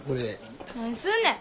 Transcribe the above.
何すんねん！